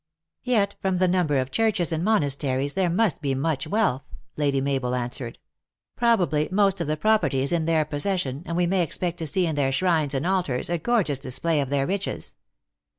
" Yet, from the number of churches and monasteries, there must be much wealth," Lady Mabel answered. " Probably, most of the property is in their possession, and we may expect to see in their shrines and altars a gorgeous display of their riches."